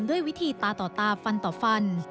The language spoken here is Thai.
ด้วยวิธีตาต่อตาฟันต่อฟัน